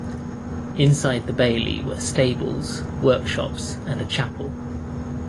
Inside the bailey were stables, workshops, and a chapel.